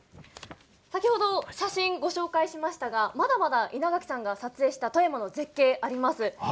先ほど写真をご紹介しましたがまだまだイナガキさんが撮影した富山の絶景あります。